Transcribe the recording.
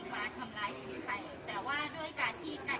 แต่ว่าด้วยการกระทำของพี่เขาก็ทำลายกับเขาเอง